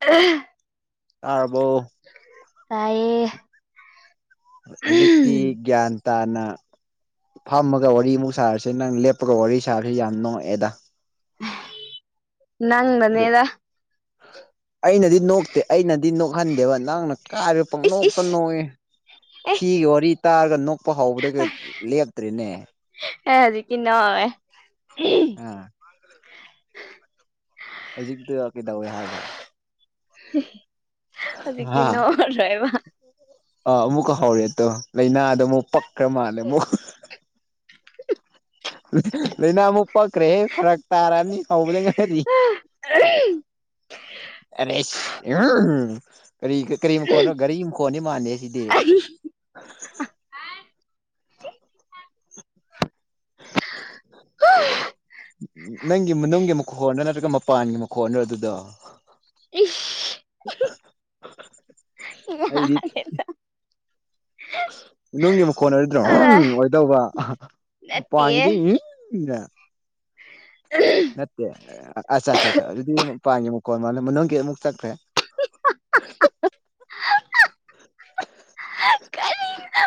ꯑ ꯑꯥꯔꯕꯣ ꯇꯥꯏꯌꯦ ꯍꯧꯖꯤꯛꯇꯤ ꯒ꯭ꯌꯥꯟ ꯇꯥꯅ ꯐꯝꯃꯒ ꯋꯥꯔꯤ ꯑꯃꯨꯛ ꯁꯥꯔꯁꯦ ꯅꯪꯦꯞ ꯄ ꯋꯥꯔꯤꯔꯤ ꯁꯥꯥ ꯌꯥꯝꯅꯣ ꯑꯦꯗꯥ ꯅꯪ ꯃꯅꯦꯗ ꯑꯩꯅꯗꯤ ꯅꯣꯛꯇꯦ ꯑꯩꯅꯗꯤ ꯅꯣꯛꯍꯟꯗꯦꯕ ꯅꯪꯅ ꯀꯥꯏꯔꯦ ꯏꯁ ꯄꯪꯅꯣꯛꯇ ꯏꯁ ꯅꯣꯛꯏꯦ ꯑꯦ ꯊꯤꯒ ꯑꯣꯏꯔꯤ ꯇꯒ ꯂꯄ ꯍꯥꯎꯕꯗ ꯀ ꯂꯦꯞꯇ꯭ꯔꯔꯤꯅꯦ ꯑꯦ ꯍꯧꯖꯤꯛꯇꯤ ꯅꯣꯛꯑꯣꯏ ꯑꯥ ꯍꯧꯖꯤꯛꯇꯛꯇ ꯀꯩꯗꯧꯋꯦ ꯍꯥꯏꯕ ꯍꯧꯖꯤꯛ ꯍꯥ ꯀꯟꯅꯗ ꯍꯥꯏꯕ ꯑꯥ ꯑꯃꯨꯛꯀ ꯍꯧꯔꯦ ꯑꯗꯣ ꯂꯥꯏꯅꯥꯗꯣ ꯑꯃꯨꯛ ꯄꯛꯈ꯭ꯔ ꯃꯥꯜꯂꯦ ꯑꯃꯨꯛ ꯂꯥꯏꯅꯥ ꯑꯃꯨꯛ ꯄꯛꯈ꯭ꯔꯦꯦ ꯐꯔꯛ ꯇꯥꯔꯑꯅꯤ ꯍꯧꯕꯅꯤ ꯉꯔꯤ ꯑ ꯑꯔꯦ ꯀꯔꯤ ꯀꯔꯤ ꯃꯈꯣꯟꯅꯣ ꯒꯥꯔꯤ ꯃꯈꯣꯅꯤ ꯃꯥꯟꯅꯦ ꯁꯤꯗꯤ ꯑ [inaudible] ꯅꯪ ꯅꯦ ꯃꯨ ꯍꯣ ꯅ ꯃꯄꯥꯟꯒꯤ ꯃꯈꯣꯟꯅ ꯑꯗꯨꯗ ꯏꯁ ꯑꯩꯠ ꯅꯨꯡꯒꯤ ꯃꯈ ꯀꯣꯟꯅꯔꯗ꯭ꯔꯣ ꯑꯣꯏꯗꯧꯕ ꯅꯠꯇꯤꯌꯦ ꯎꯞꯗꯦ ꯏ ꯅꯠꯇꯦ ꯑꯆꯥ ꯑꯆꯥꯆꯥ ꯑꯗꯨꯗꯤ ꯄꯥꯡꯉꯦ ꯃꯨꯛ ꯀꯣꯟ ꯃꯥꯜ ꯅꯪꯒꯤꯦ ꯑꯃꯨꯛ ꯆꯠꯈ꯭ꯔꯦ [unintelligible] ꯀꯔꯤꯅꯣ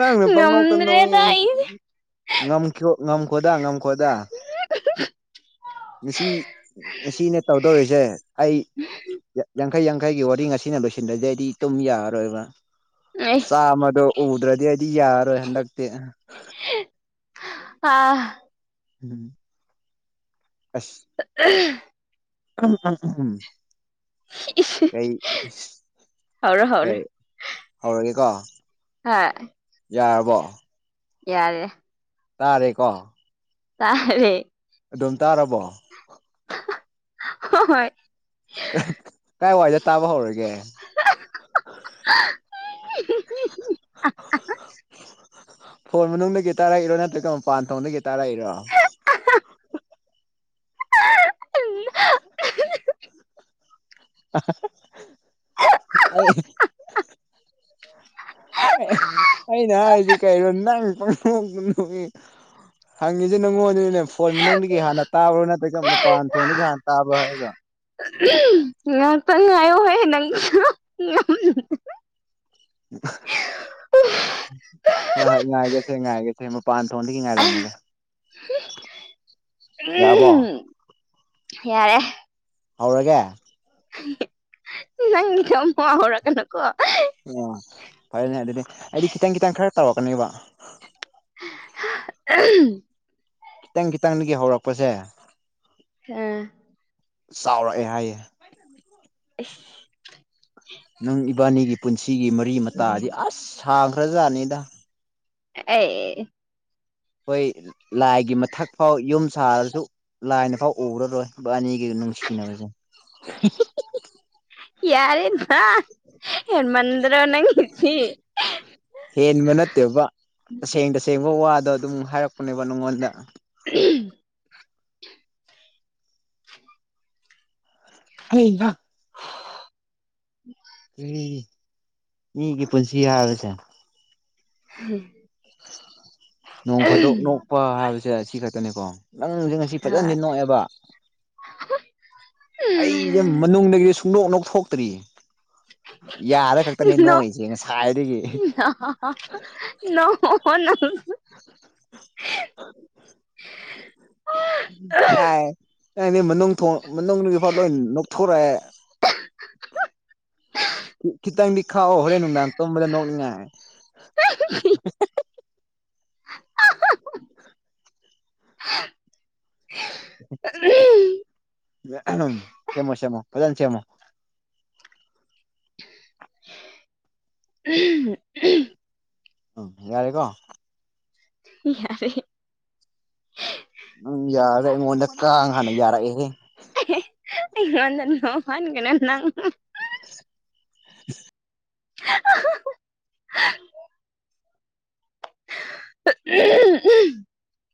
ꯎ ꯌꯥ ꯄꯪ ꯅꯧꯇ ꯉꯝꯗ꯭ꯔꯦꯗ ꯑꯩ ꯉꯝꯈꯣ ꯉꯝꯈꯣꯗꯥ ꯉꯝꯈꯣꯗꯥ ꯉꯁꯤ ꯉꯁꯤꯅꯦ ꯇꯧꯗꯧꯔꯤꯁꯦ ꯑꯩ ꯌꯥꯡꯈꯩ ꯌꯥꯡꯈꯩꯒꯤ ꯋꯥꯔꯤ ꯑꯁꯤꯅ ꯂꯣꯏꯁꯤꯟꯗꯁꯦ ꯑꯩꯗꯤ ꯇꯨꯝ ꯌꯥꯔꯔꯣꯏꯕ ꯑꯩ ꯆꯥꯃꯗꯣ ꯎꯗ꯭ꯔꯗꯤ ꯑꯩꯗꯤ ꯌꯥꯔꯔꯣꯏ ꯍꯟꯗꯛꯇꯤ ꯑꯥ ꯎꯝ [unintelligible] ꯎꯝ ꯎꯝ ꯎ ꯎꯝ ꯏꯁ ꯀꯩ ꯍꯧꯔꯣ ꯍꯧꯔꯣ ꯀꯩ ꯍꯧꯔꯒꯦ ꯀꯣ ꯍꯥ ꯌꯥꯔꯕꯣ ꯌꯥꯔꯦ ꯇꯥꯔꯦꯀꯣ ꯇꯥꯔꯦ ꯑꯗꯨꯝ ꯇꯥꯔꯕꯣ ꯍ ꯍꯣꯏ ꯀꯥꯏ ꯋꯥꯏꯗꯦ ꯇꯥꯕ ꯍꯧꯔꯒꯦ [unintelligible] ꯐꯣꯟ ꯃꯅꯨꯡꯗꯒꯤ ꯇꯥꯔꯛꯏꯔꯣ ꯅꯠꯇ꯭ꯔꯒ ꯃꯄꯥꯟ ꯊꯣꯡꯗꯒꯤ ꯇꯥꯔꯛꯏꯔꯣ ꯎ [unintelligible] ꯑꯅ ꯍꯥꯏꯗꯤ ꯀꯩꯔꯣ ꯅꯪ ꯄꯪꯊꯣꯛ ꯄꯊꯣꯛꯉ ꯍꯪꯉꯁꯤꯦ ꯅꯪꯉꯣꯟꯗꯅꯦ ꯐꯣꯏ ꯃꯅꯨꯡꯗꯒꯤ ꯍꯥꯟꯅ ꯇꯥꯕ꯭ꯔꯥ ꯅꯠꯇ꯭ꯔꯒ ꯃꯄꯥꯟ ꯊꯣꯡꯗꯒꯤ ꯍꯥꯟꯅ ꯇꯥꯕ꯭ꯔꯥ ꯍꯥꯏꯔꯒ ꯉꯥꯛꯇꯪ ꯉꯥꯏꯌꯣ ꯍꯣꯏ ꯅꯪ ꯍ ꯍ ꯏ ꯉꯒꯦꯁ ꯉꯥꯏꯒꯦ ꯃ ꯄꯥꯟ ꯊꯣꯡꯗꯒꯤ ꯉꯥꯏꯔꯝꯃꯒꯦ ꯌꯥꯔꯕꯣ ꯌꯥꯔꯦ ꯍꯧꯔꯒꯦ ꯅꯪ ꯅꯤꯡ ꯊ ꯃꯍꯍꯔ ꯀꯅꯀꯣ ꯑꯣ ꯐꯔꯅꯦ ꯑꯗꯨꯗꯤ ꯍꯥꯏꯗꯤ ꯈꯤꯇꯪ ꯈꯤꯇꯪ ꯈꯔ ꯇꯧꯔꯛꯀꯅꯦꯕ ꯎ ꯈꯤꯇꯪ ꯈꯤꯇꯪꯗꯒꯤ ꯍꯧꯔꯛꯄꯁꯦ ꯑꯥ ꯆꯥꯎꯔꯛꯑꯦ ꯍꯥꯏꯌꯦꯦ ꯇꯥꯠꯠ [inaudible] ꯅꯪ ꯏꯕꯥꯅꯤꯒꯤ ꯄꯨꯟꯁꯤꯒꯤ ꯃꯔꯤ ꯃꯇꯥꯗꯤ ꯑꯁ ꯁꯥꯥꯡꯈ꯭ꯔꯖꯥꯠꯅꯤꯗ ꯑꯦ ꯑꯩꯣꯏ ꯂꯥꯏꯒꯤ ꯃꯊꯛ ꯐꯥꯎ ꯌꯨꯝ ꯁꯥꯔꯁꯨ ꯂꯥꯏꯅ ꯐꯥꯎ ꯎꯔꯔꯣꯏ ꯑꯅꯤꯒꯤ ꯅꯪꯁꯤꯒ ꯅꯕꯖ ꯌꯥꯔꯦꯃ ꯌꯥꯝ ꯃꯗ꯭ꯔꯣ ꯅꯪꯁꯤ ꯍꯦꯟꯕ ꯅꯠꯇꯦꯕ ꯇꯁꯦꯡ ꯇꯁꯦꯡꯕ ꯋꯥꯗꯣ ꯑꯗꯨꯝ ꯍꯥꯏꯔꯛꯄꯅꯦꯕ ꯅꯉꯣꯟꯗ ꯑꯍꯝ [inaudible] ꯑꯔꯒ ꯎꯝ ꯃꯤ ꯀ ꯄꯨꯟꯁꯤ ꯌꯥꯔꯁ ꯎꯝ ꯅꯣꯡ ꯐꯥꯗꯣꯛ ꯅꯣꯛꯄ ꯍꯥꯏꯕꯁꯦ ꯑꯁꯤ ꯈꯛꯇꯅꯤꯀꯣ ꯅꯪꯁꯦ ꯉꯁꯤ ꯐꯖꯅꯁꯤ ꯍꯣꯏ ꯅꯣꯛꯑꯦꯕ ꯑꯩꯁꯦ ꯃꯅꯨꯡꯗꯒꯤꯗꯤ ꯁꯨꯡꯗꯣꯛꯅꯣꯛ ꯊꯣꯛꯇ꯭ꯔꯤꯌꯦ ꯠ [inaudible] ꯅꯣꯛ ꯉꯁꯥꯏꯗꯒꯤ ꯑꯣ ꯅꯪ [inaudible] ꯇꯥꯏ ꯌꯥꯅꯦ ꯃꯅꯨꯡ ꯊ ꯃꯅꯨꯡꯒꯤꯐꯥꯎ ꯂꯣꯏ ꯅꯣꯛꯊꯣꯔꯛꯑꯦ ꯈꯤꯇꯪꯗꯤ ꯈꯥꯛꯑꯣ ꯍꯣꯔꯦꯟ ꯅꯨꯡꯗꯥꯡ ꯇꯣꯝꯕꯗ ꯅꯣꯛꯅꯤꯡꯉꯥꯏ ꯍꯥ [inaudible] ꯑꯍꯝ ꯁꯦꯝꯃꯣ ꯁꯦꯝꯃꯣ ꯐꯥꯖꯅ ꯁꯦꯝꯃꯣ ꯎꯝ [inaudible] ꯎꯝ ꯌꯥꯔꯦꯀꯣ ꯌꯥ ꯌꯥꯔꯦ ꯎꯝ ꯌꯥꯔꯔꯦ ꯑꯩꯉꯣꯟꯗ ꯀꯥꯡ ꯍꯥꯟꯅ ꯌꯥꯔꯛꯑꯦ ꯅꯤꯣꯒꯅꯦꯪ ꯇꯥ [inaudible] ꯍꯑꯍꯑꯍꯥ [inaudible] ꯑꯍꯝ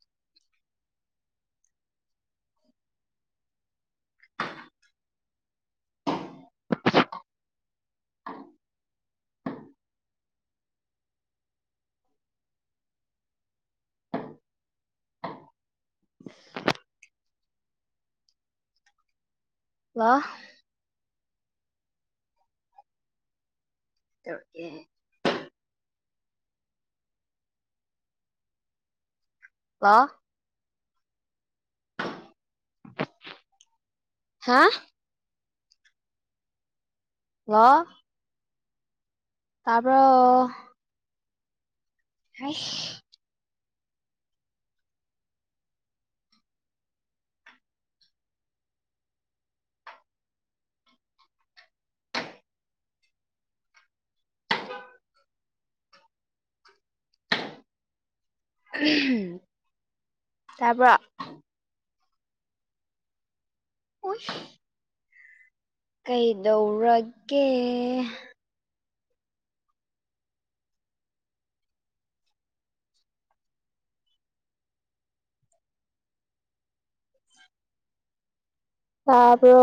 ꯇꯔꯠ꯭ [inaudible] ꯑ ꯋꯥ ꯇꯀꯦ ꯀ ꯍꯥ ꯋꯥ ꯇꯥꯕ꯭ꯔꯣ ꯍ ꯑꯍꯝ ꯇꯔꯄ ꯎꯏ ꯀꯩꯗꯧꯔꯒꯦ ꯇꯥꯕ꯭ꯔꯣ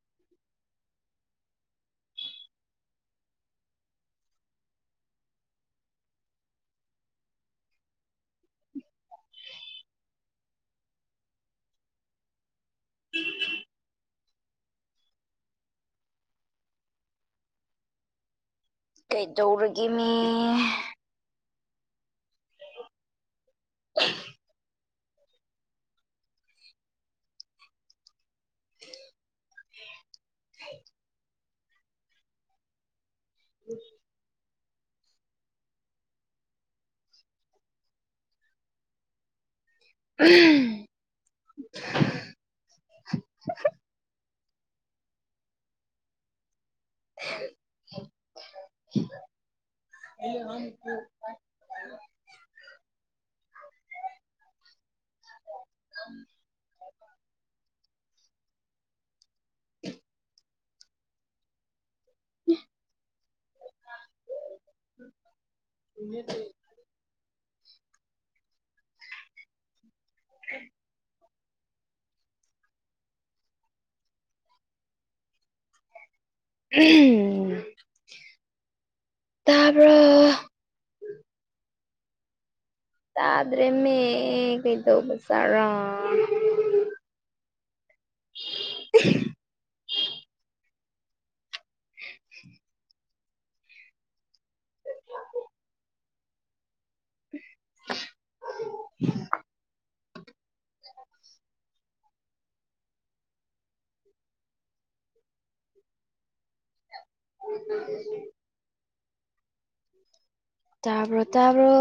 ꯎ [inaudible] [inaudible] ꯀꯩꯗꯧꯔꯒꯦ ꯃꯤ ꯑꯍꯝ [inaudible] ꯑ ꯍ [unintelligible] ꯎ ꯇꯥꯕ꯭ꯔꯣ ꯇꯥꯗ꯭ꯔꯦꯃꯦ ꯀꯩꯗꯧꯕ ꯆꯥꯔꯥ [unintelligible] [unintelligible] [inaudible] ꯑ [unintelligible] ꯇꯥꯕ꯭ꯔꯣ ꯇꯥꯕ꯭ꯔꯣ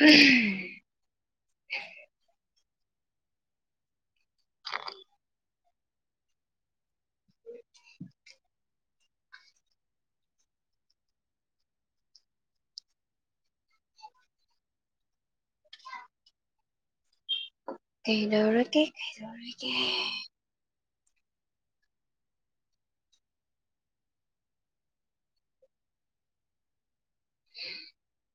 ꯎ ꯀꯩꯗꯧꯔ ꯀꯦ ꯀꯩꯗꯧꯔ ꯀꯦ ꯎꯝ